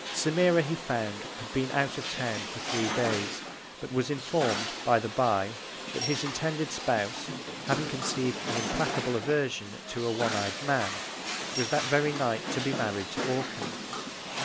Semira he found had been out of Town for three Days; but was inform'd, by the bye, that his intended Spouse, having conceived an implacable Aversion to a one ey'd Man, was that very Night to be married to Orcan.